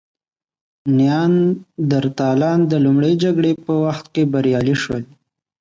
نیاندرتالان د لومړۍ جګړې په وخت کې بریالي شول.